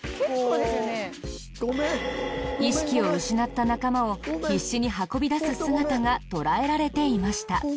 意識を失った仲間を必死に運び出す姿が捉えられていました。